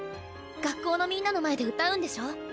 学校のみんなの前で歌うんでしょ？